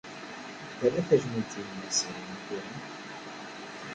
Terra tajmilt i yemma-s mi tura